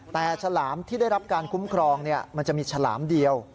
แต่ฉลามที่ได้รับการคุ้มครองมันจะมีฉลามเดียว